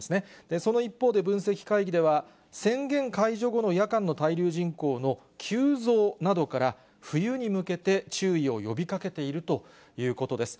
その一方で、分析会議では宣言解除後の夜間の滞留人口の急増などから、冬に向けて注意を呼びかけているということです。